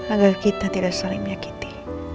agar kita tidak saling menyakiti